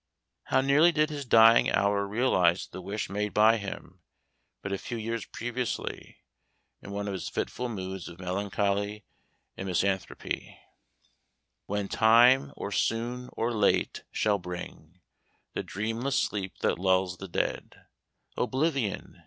How nearly did his dying hour realize the wish made by him, but a few years previously, in one of his fitful moods of melancholy and misanthropy: "When time, or soon or late, shall bring The dreamless sleep that lulls the dead, Oblivion!